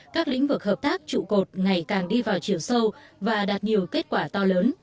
các lĩnh vực hợp tác trụ cột ngày càng đi vào chiều sâu và đạt nhiều kết quả to lớn